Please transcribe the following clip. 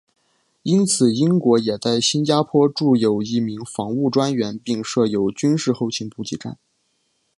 因此英国也在新加坡驻有一名防务专员并设有军事后勤补给站。